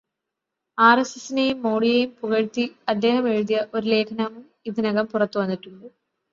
ആർഎസ്എസിനെയും മോഡിയെയും പുകഴ്ത്തി അദ്ദേഹം എഴുതിയ ഒരു ലേഖനവും ഇതിനകം പുറത്തുവന്നിട്ടുണ്ട്.